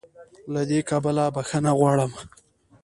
له دې کبله "بخښنه غواړي"